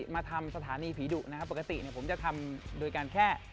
มาทำสถานีผีดุนะครับปกติเนี่ยผมจะทำโดยการแค่